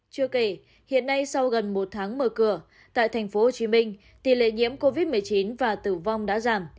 chưa kể hiện nay sau gần một tháng mở cửa tại tp hcm tỷ lệ nhiễm covid một mươi chín và tử vong đã giảm